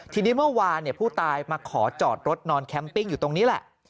ทีนี้เมื่อวานผู้ตายมาขอจอดรถนอนแคมปิ้งอยู่ตรงนี้แหละ